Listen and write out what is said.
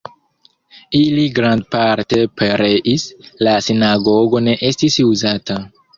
Ili grandparte pereis, la sinagogo ne estis uzata.